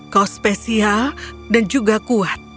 kau spesial dan juga kuat